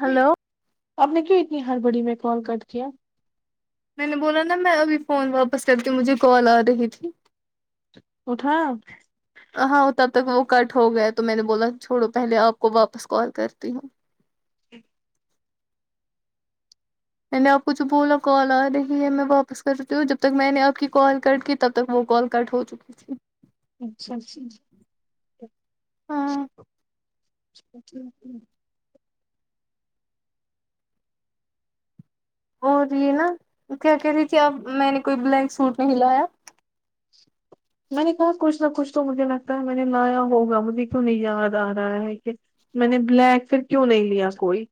hello آپ نے کیوں اتنی ہڑبڑی میں کال کٹ کیا میں نے بولا نا میں ابھی فون واپس کرتی ہوں مجھے کال آ رہی تھی اٹھایا ہاں تب تک وہ کٹ ہو گیا تو میں نے بولا چھوڑو پہلے آپ کو واپس کال کرتی ہوں میں نے آپ کو جو بولا کال آ رہی ہے میں واپس کرتی ہوں جب تک میں نے آپ کی کال کٹ کی تب تک وہ کال کٹ ہو چکی تھی اچھا جی ہاں [unintelligible] اور یہ نا کیا کہہ رہی تھی آپ میں نے کوئی بلیک سوٹ نہیں لایا میں نے کہا کچھ نہ کچھ تو مجھے لگتا ہے میں نے لایا ہوگا مجھے کیوں نہیں یاد آ رہا ہے کہ میں نے بلیک پھر کیوں نہیں لیا کوئی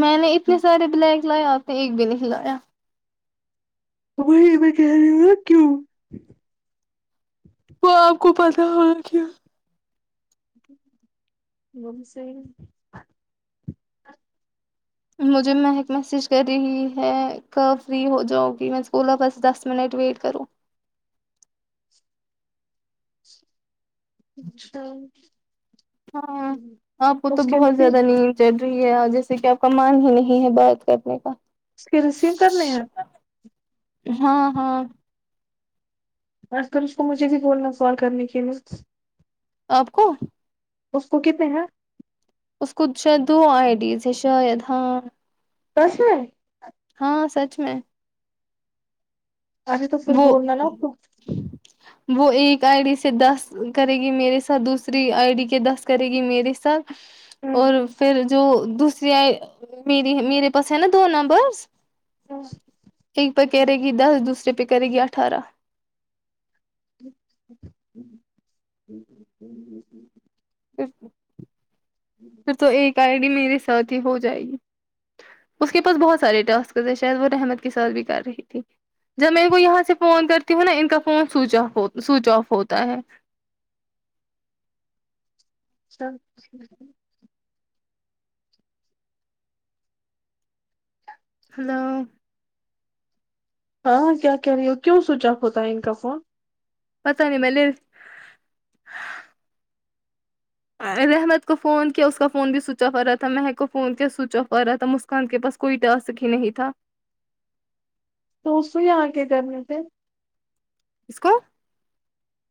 میں نے اتنے سارے بلیک لائے آپ نے ایک بھی نہیں لایا وہی میں کہہ رہی ہوں کیوں وہ آپ کو پتا ہونا کیوں وہ بھی صحیح ہے مجھے مہک میسیج کر رہی ہے کب فری ہو جاؤ گی میں اس بولا بس دس منٹ ویٹ کرو انشا م ہاں آپ وہ تو کے بہت زیادہ نیند چل رہی ہے اور جیسے کہ آپ کا من ہی نہیں ہے بات کرنے کا سکلس ہی کرنے ہیں جہاں آس کر اس کو مجھے بھی بولنا کال کرنے کے لیے آپ کو اس کو کتنے ہیں اس کو شاید دو آئی ڈیز شاید ہاں سچ میں ہاں سچ میں ارے تو پھر وہ بولنا نا آپ کو وہ ایک آئی ڈی سے دس کرے گی میرے ساتھ دوسری آئی ڈی کے دس کرے گی میرے ساتھ اور پھر جو دوسری ائی میری میرے پاس ہے نا دو نمبرس ہاں ایک پہ کرے گی دس دوسرے پہ کرے گی اٹھارہ ھر پھر تو ایک آئی ڈی میرے ساتھ ہی ہو جائے گی اس کے پاس بہت سارے ٹاسکز ہیں شاید وہ رحمت کے ساتھ بھی کر رہی تھی جب میں ان کو یہاں سے فون کرتی ہوں نا ان کا phone switch off switch off ہوتا ہے [unintelligible] ہلو ہاں ہاں کیا کہہ رہی ہو کیوں سوچ آف ہوتا ہے ان کا فون پتا نہی میں نے رحمت کو فون کیا اس کا فون بھی سوئچ آف ہو رہا تھا مہک کو فون کیا سوئچ آف ہو رہا تھا مس کان کے پاس کوئی ٹاسک ہی نہیں تھا تو اس سے یہاں آکے کرنے تھے اس کو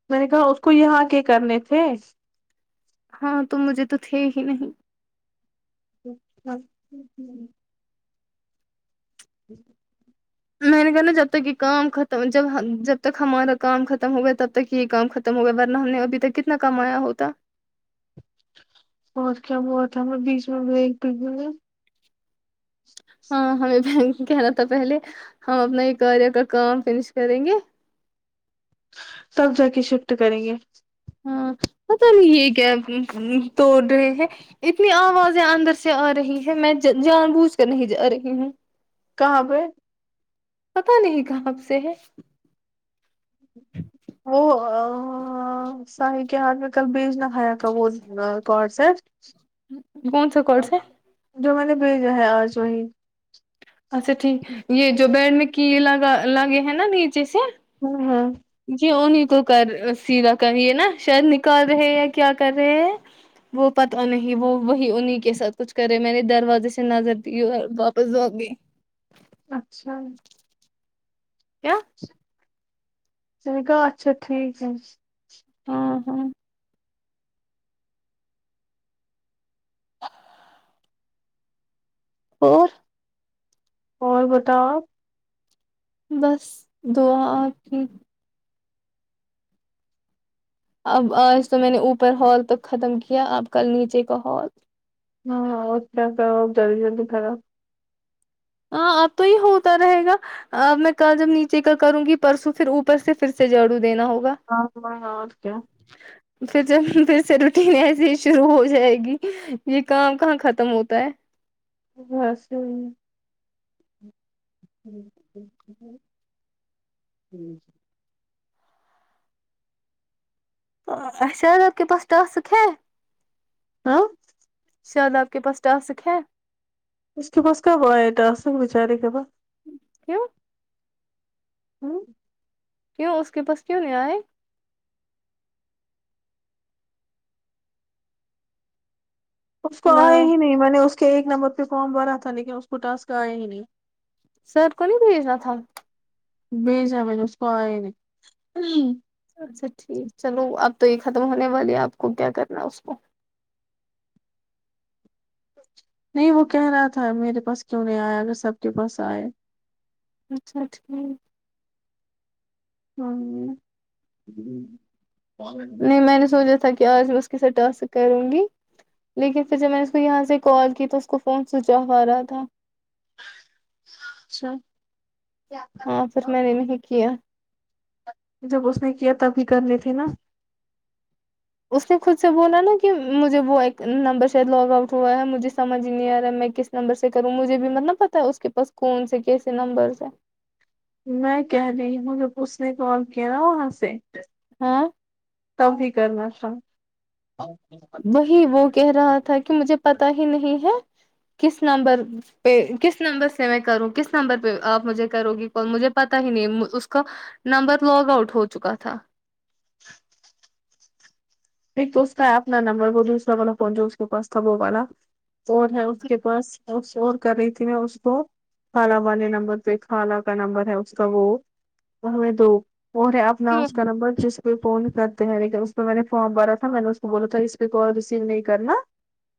میں نے کہا اس کو یہاں آ کے کرنے تھے ہاں تو مجھے تو تھے ہی نہیں [unintelligible] میں نے کہا نا جب تک کہ کام ختم جب جب تک ہمارا کام ختم ہو گیا تب تک یہ کام ختم ہو گیا ورنہ ہم نے ابھی تک کتنا کمایا ہوتا اور کیا ہوا تھا ہمیں بیچ میں بریک بھی ہوے ہاں ہمیں بینک جانا تھا پہلے ہم اپنا ہی کاریا کا کام فنش کریں گے تب جا کے شفٹ کریں گے ہاں پتا نہیں یہ کیا توڑ رہے ہیں اتنی آوازیں اندر سے آ رہی ہے میں جا جان بوجھ کر نہیں جا رہی ہوں کہاں پے پتا نہیں کب سے ہے وہ اں ساہی کے ہاتھ میں کل بیج نہ کھایا تھا وہ نور کوڈ سٹ کون سا کون سا جو میں نے بھیجا ہے آج وہی اچھا ٹھیک یہ جو بیڈ میں کی لگا لگے ہیں نا نیچے سے تو ہے جی انہیں کو کر سیدھا کہیے نا شاید نکال رہے یا کیا کر رہے وہ پتا نہیں وہ وہی انہیں کے ساتھ کچھ کرے میں نے دروازے سے نظر دی اور واپس آ گئی اچھا کیا میں نے کہا اچھا ٹھیک ہے ہاں ہاں اور اور بتاؤ آپ بس دعا آپ کی اب آج تو میں نے اوپر ہال تک ختم کیا اب کل نیچے کا ہال ہاں ہوتا سب جلدی جلدی کرو ہاں اب تو یہ ہوتا رہے گا اب میں کل جب نیچے کا کروں گی پرسوں پھر اوپر سے پھر سے جھاڑو دینا ہوگا آپ سناؤ اور کیا [inaudible] پھر جب پھر سے روٹین ایسے ہی شروع ہو جائے گی یہ کام کہاں ختم ہوتا ہے بس یہی [unintelligible] اچھا آج آپ کے پاس ٹاسک ہے ہاں شاید آپ کے پاس ٹاسک ہے اس کے پاس کب آیا ٹاسک بچارے کے پاس کیوں ہوں کیوں اس کے پاس کیوں نہیں آئے اس کو ہلو آئے ہی نہیں میں نے اس کے ایک نمبر پہ فارم بھرا تھا لیکن اس کو ٹاسک آئے ہی نہیں سر کو نہیں بھیجنا تھا بھیجا میں نے اس کو آیا نہیں اچھا ٹھیک چلو اب تو یہ ختم ہونے والی آپ کو کیا کرنا ہے اس کو نہیں وہ کہہ رہا تھا میرے پاس کیوں نہیں آیا اگر سب کے پاس آئے اچھا ٹھیک ہاں [unintelligible] نہیں میں نے سوچا تھا کہ آج اس کے ساتھ ٹاسک کروں گی لیکن پھر جب میں نے اس کو یہاں سے کال کی تو اس کو فون سوچ آف آرہا تھا اچھا ہاں پھر میں نے نہیں کیا جب اس نے کیا تب بھی کرنے تھے نا اس نے خود سے بولا نا کہ مجھے وہ ایک نمبر شاید لاگ آؤٹ ہوا ہے مجھے سمجھ نہیں آ رہا ہے میں کس نمبر سے کروں مجھے بھی مت نہ پتا ہے اس کے پاس کون سے کیسے نمبرس ہے میں کہہ رہی ہوں جب اس نے کال کیا نا وہاں سے ہاں تب ہی کرنا تھا وہی وہ کہہ رہا تھا کہ مجھے پتا ہی نہیں ہے کس نمبر پہ کس نمبر سے میں کروں کس نمبر پہ آپ مجھے کرو گی کال مجھے پتا ہی نہیں م اس کا نمبر لاگ آؤٹ ہو چکا تھا ایک تو اس کا ہے اپنا نمبر وہ دوسرا والا فون جو اس کے پاس تھا وہ والا اور ہے اس کے پاس اس فون کر رہی تھی میں اس کو خالہ والے نمبر پہ خالہ کا نمبر ہے اس کا وہ ہیں دو اور اپ نااس کا نمبر جس پے فون کرتے ہیں لیکن اس پے میں نے فارم بھرا تھا میں نے اس کو بولا تھا اس پہ کال ریسیو نہیں کرنا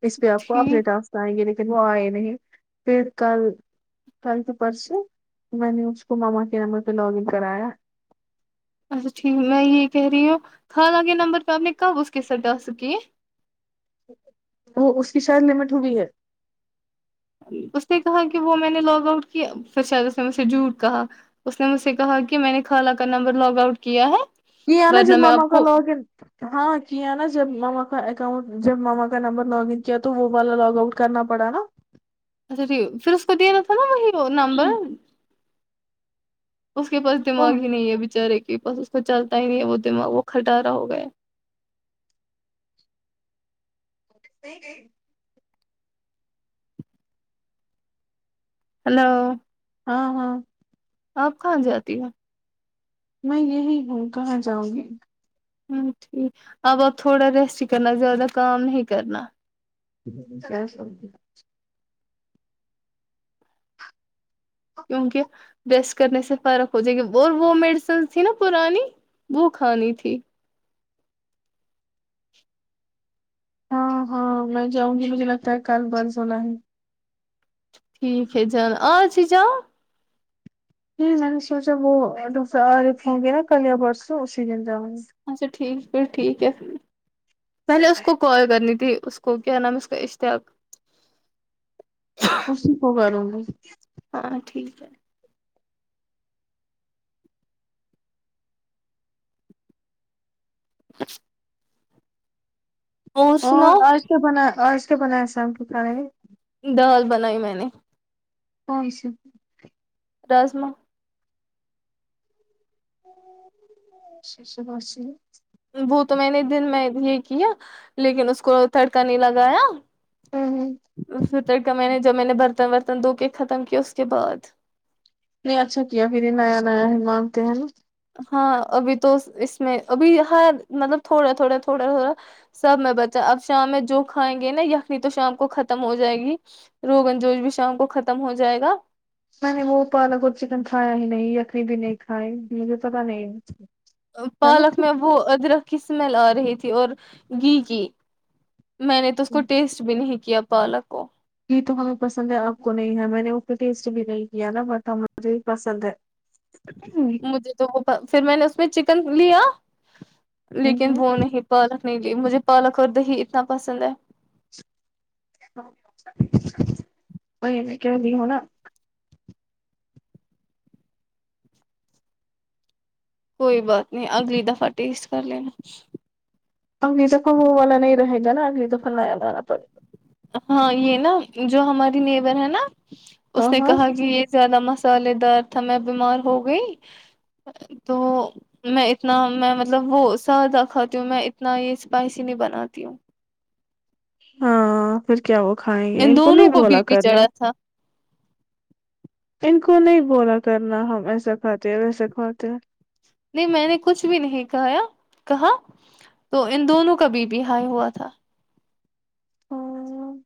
اس پہ آپ کو ٹھیک اپنے ٹاسک آئیں گے لیکن وہ آئے نہیں پھر کل کل پر پرسو میں نے اس کو ماما کے نمبر پہ لاگ ان کرایا اچھا ٹھیک ہے میں یہ کہہ رہی ہوں خالہ کے نمبر پہ آپ نے کب اس کے سات ڈا سک کی ہے وہ اس کی شاید لمٹ ہوئی ہے اس نے کہا کہ وہ میں نے لاگ آؤٹ کیا پھر شاید اس نے مجھ سے جھوٹ کہا اس نے مجھ سے کہا کہ میں نے خالہ کا نمبر لاگ آؤٹ کیا ہے یہ آنا ورنہ جب میں ماما آپ کا کو لوگن ہاں کیا نا جب ماما کا اکاؤنٹ جب ماما کا نمبر لاگ ان کیا تو وہ والا لاگ آؤٹ کرنا پڑا نا اچھا ٹھیک پھر اس کو دینا تھا نا وہی نا وہ نمبر اس کے پاس تو دماغ ہی نہیں ہے بچارے کے پاس تو چلتا ہی نہیں ہے وہ دماغ وہ کھٹارا ہو گیا نہیں نہیں ہلو ہاں ہاں آپ کہاں جاتی ہیں میں یہی ہو کہاں جاؤں گی ہوں ٹھیک اب آپ تھوڑا ریسٹ ہی کرنا زیادہ کام نہیں کرنا کیا سبجی [unintelligible] کیونکہ ویسٹ کرنے سے فرق ہو جائے گی اور وہ میڈیسن تھی نا پرانی وہ کھانی تھی ہاں ہاں میں جاؤں گی مجھے لگتا ہے کل برضولا ہے ٹھیک ہے جانا آج ہی جاو نے میں نے سوچا وہ دوسرا آرے تھے ناگے نا کل یا بسوں اسی دن جاؤ گے اچھا ٹھیک پھر ٹھیک ہے پہلے اس کو کال کرنی تھی اس کو کیا نام ہے اس کا اشتیاق اسی کو کروں گی ہاں ٹھیک ہے اچ [unintelligible] اور سناؤ آج کیا بنا آج کیا بنایا ہے شام کے کھانے دال بنائی میں نے کونسی رازما شی س بش [unintelligible] وہ تو میں نے دن میں یہ کیا لیکن اس کو تڑکا نہیں لگایا اسے تڑکا میں نے جب میں نے برتن برتن دھو کے ختم کیا اس کے بعد نہیں اچھا کیا پھر یہ نیا نیا ہی مانگتے ہیں نا ہاں ابھی تو اس میں ابھی ہاں مطلب تھوڑا تھوڑا تھوڑا تھوڑا ہورا سب میں بچا اب شام میں جو کھائیں گے نا یخنی تو شام کو ختم ہو جائے گی روگن جوش بھی شام کو ختم ہو جائے گا میں نے وہ پالک اور چکن کھایا ہی نہیں یخنی بھی نہیں کھائی مجھے پتا نہیں غلط پالک میں تھی وہ ادرک کی اسمیل آ رہی تھی اور گھی کی میں نے تو اس کو ٹیسٹ بھی نہیں کیا پالک کو گھی تو ہمیں پسند ہے آپ کو نہیں ہے میں نے اس ٹیسٹ بھی نہیں کیا نا بٹ ہم مجھے بھی پسند ہے مجھے تو وہ پھر میں نے اس میں چکن لیا لیکن ہوں، وہ نہیں پالک نہیں لی مجھے پالک اور دہی اتنا پسند ہے وہی میں کہہ رہی ہوں نہ کوئی بات نہیں اگلی دفہ ٹیسٹ کر لے اگلی تو کو والا نہیں رہے گا نا اگلی تو فلایا والا پڑے ہاں یہ نا جو ہماری نیبر ہے نا اس ہاں نے ہاں کہا کہ یہ زیادہ مسالے دار تھا میں بیمار ہو گئی تو میں اتنا میں مطلب وہ سادہ کھاتی ہوں میں اتنا یہ اسپائسی نہیں بناتی ہوں ہاں پھر کیا وہ کھائیں گے ان کو نہیں دونوں بولا بی پی کرنا چڑھا تھا ان کو نہیں بولا کرنا ہم ایسا کھاتے ہیں ویسا کھاتے ہیں نہیں میں نے کچھ بھی نہیں کھایا کہا تو ان دونوں کا بی پی ہائی ہوا تھا ہاں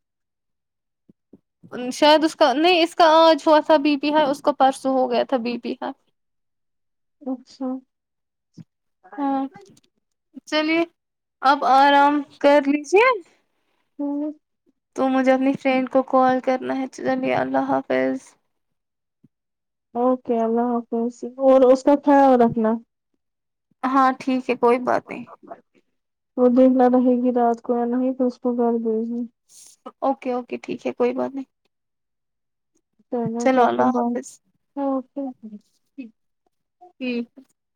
شاید اس کا نہیں اس کا آج ہوا تھا بی پی ہاںی اس کا پرسوں ہو گیا تھا بی پی ہاںی اچھا ہاں چلیے اب آرام کر لیجیے امم تو مجھے اپنی فرینڈ کو کال کرنا ہے چلیے اللہ حافظ اوکے اللہ حافظ اور اس کا خیال رکھنا ہاں ٹھیک ہے کوئی بات نہیں وہ دن میں رہے گی رات کو آنا ہے تو اس کو گھر دیجیے اوکے اوکے ٹھیک ہے کوئی بات نہیں چلو اللہ حافظ ہ [unintelligible]